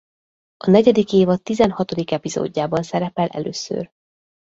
A negyedik évad tizenhatodik epizódjában szerepel először.